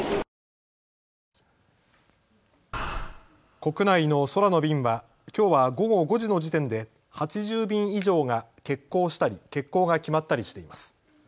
国内の空の便はきょうは午後５時の時点で８０便以上が欠航したり欠航が決まったりしています。